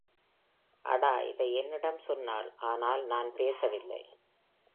அடா இதை என்னிடம் சொன்னாள், ஆனால் நான் பேசவில்லை.